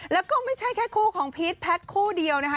แล้วก็ไม่ใช่แค่คู่ของพีชแพทย์คู่เดียวนะคะ